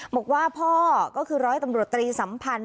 บอกว่าพ่อก็คือร้อยตำรวจตรีสัมพันธ์